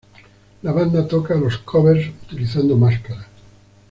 La banda toca los covers utilizando máscaras.